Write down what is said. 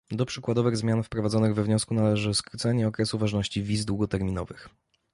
Do przykładowych zmian wprowadzonych we wniosku należy skrócenie okresu ważności wiz długoterminowych